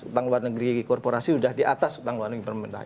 bank luar negeri korporasi sudah di atas utang luar negeri pemerintah